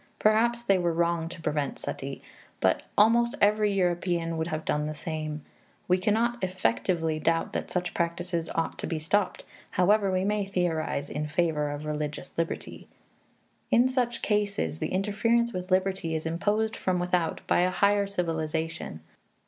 Perhaps they were wrong to prevent suttee, yet almost every European would have done the same. We cannot effectively doubt that such practices ought to be stopped, however we may theorize in favor of religious liberty. In such cases, the interference with liberty is imposed from without by a higher civilization.